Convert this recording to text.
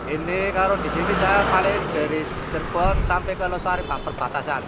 ini kalau di sini saya paling dari cirebon sampai ke losari pak perbatasan